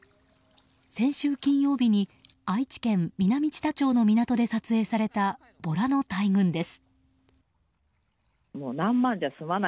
先週金曜日に愛知県南知多町の港で撮影されたボラの大群です。